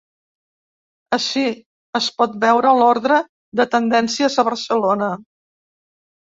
Ací es pot veure l’ordre de tendències a Barcelona.